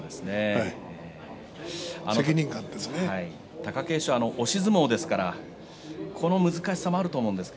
貴景勝は押し相撲ですからその難しさもあると思うんですが。